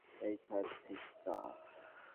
এখানে জোর যার মুল্লুক তার, নামো, এইখান থেইক্কা।